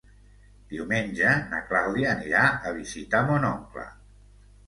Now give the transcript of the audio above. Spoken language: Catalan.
Diumenge na Clàudia anirà a visitar mon oncle.